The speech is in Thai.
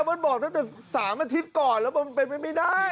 มันบอกตั้งแต่๓อาทิตย์ก่อนแล้วมันเป็นไปไม่ได้